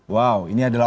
wow ini adalah